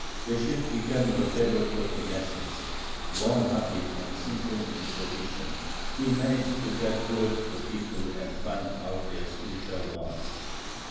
Besht became the favorite of the masses. Warm hearted and simple in disposition, he managed to get close to the people and find out their spiritual wants.